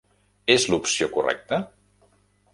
És l'opció correcta?